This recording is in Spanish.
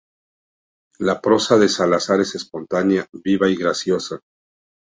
La prosa de Salazar es espontánea, viva y graciosa.